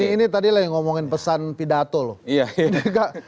ini tadi lah yang ngomongin pesan pidato loh